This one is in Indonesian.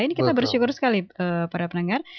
ini kita bersyukur sekali para penanggar